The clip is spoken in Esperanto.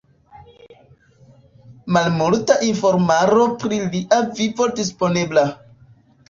Malmulta informaro pri lia vivo disponebla.